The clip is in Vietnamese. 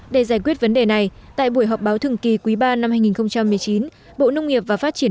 để giải quyết vấn đề này tại buổi họp báo thường kỳ quý ba năm hai nghìn một mươi chín bộ nông nghiệp và phát triển